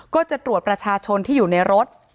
ก็จะตรวจประชาชนที่อยู่ในรถ